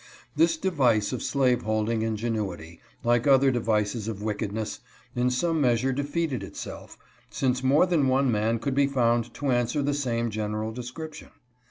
This device of slaveholding ingenuity, like other devices of wickedness, in some measure defeated itself — since more than one man could be found to answer the same general description.